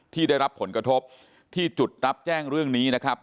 ที่ได้รับผลกระทบที่จุดรับแจ้งเรื่องนี้นะครับ